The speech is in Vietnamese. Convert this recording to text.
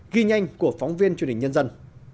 ghi nhanh của phóng viên truyền hình nhân dân